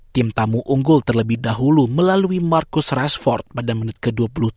tim tamu unggul terlebih dahulu melalui marcus rashford pada menit ke dua puluh tujuh